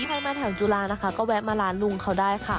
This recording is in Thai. ถ้าให้ทางจุฬานะคะก็แวะมาร้านลงเขาได้ค่ะ